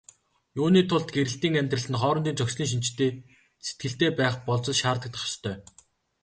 Юуны тулд гэрлэлтийн амьдрал нь хоорондын зохицлын шинжтэй сэтгэлтэй байх болзол шаардагдах ёстой.